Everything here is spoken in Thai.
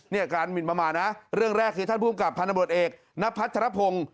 อาการหมินประมาทนะเรื่องแรกคือท่านภูมิกับพันธบทเอกณพัทรพงศ์